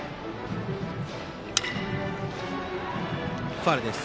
ファウルです。